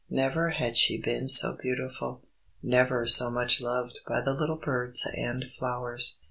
Never had she been so beautiful, never so much loved by the little birds and flowers.